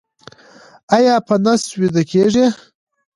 ایا په نس ویده کیږئ؟